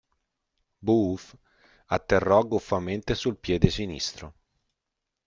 Booth atterrò goffamente sul piede sinistro.